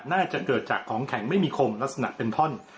น่าจะเกิดจากของแข็งไม่มีคมลักษณะเป็นท่อน